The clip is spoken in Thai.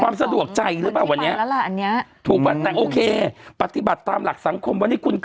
พี่อยู่ในเหตุการณ์